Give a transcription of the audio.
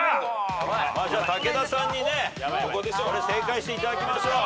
じゃあ武田さんにね正解していただきましょう。